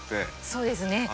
そうですね。